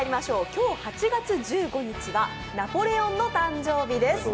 今日８月１５日はナポレオンの誕生日です。